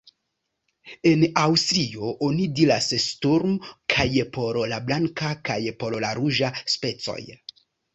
En Aŭstrio oni diras Sturm kaj por la blanka kaj por la ruĝa specoj.